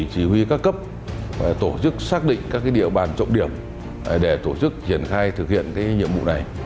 chỉ huy các cấp tổ chức xác định các địa bàn trọng điểm để tổ chức triển khai thực hiện nhiệm vụ này